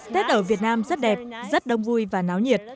tết ở việt nam rất đẹp rất đông vui và náo nhiệt